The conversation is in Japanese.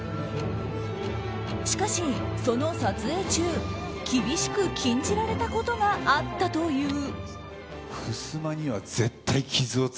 しかし、その撮影中厳しく禁じられたことがあったという。